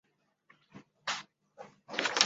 普通田鼠为仓鼠科田鼠属的动物。